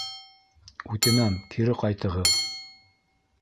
—Үтенәм, кире ҡайтығыҙ.